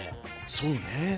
そうね。